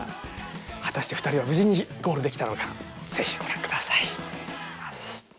果たして２人は無事にゴールできたのか是非ご覧ください。